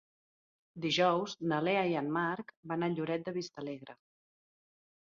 Dijous na Lea i en Marc van a Lloret de Vistalegre.